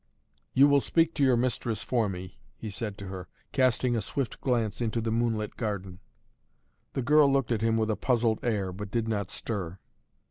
"You will speak to your mistress for me," he said to her, casting a swift glance into the moonlit garden. The girl looked at him with a puzzled air, but did not stir.